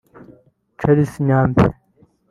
Charles Nyambe